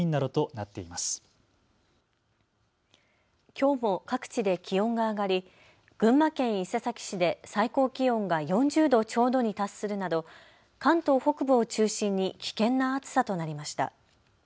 きょうも各地で気温が上がり群馬県伊勢崎市で最高気温が４０度ちょうどに達するなど関東北部を中心に危険な暑さとなりました。